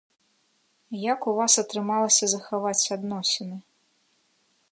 Як у вас атрымалася захаваць адносіны?